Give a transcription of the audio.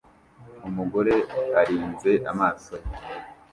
Umugore arinze amaso ye